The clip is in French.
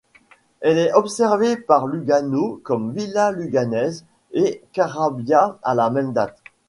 Elle est absorbée par Lugano comme Villa Luganese et Carabbia à la même date.